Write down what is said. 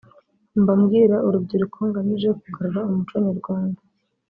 Mba mbwira urubyiruko ngamije kugarura umuco nyarwanda